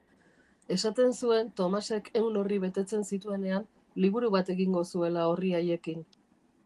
Esaten zuen Tomasek ehun orri betetzen zituenean liburu bat egingo zuela orri haiekin.